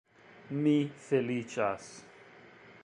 Mi feliĉas.